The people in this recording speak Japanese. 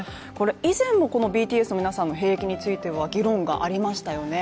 以前もこのＢＴＳの皆さんの兵役については議論がありましたよね。